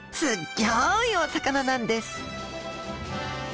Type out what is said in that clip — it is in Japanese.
ギョいお魚なんです